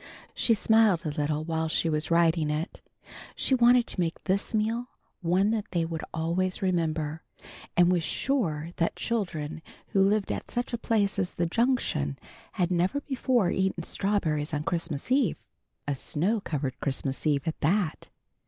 She smiled a little while she was writing it. She wanted to make this meal one that they would always remember, and was sure that children who lived at such a place as the Junction had never before eaten strawberries on Christmas eve; a snow covered Christmas eve at that.